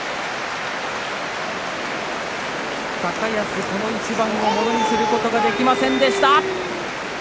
高安、この一番をものにすることができませんでした。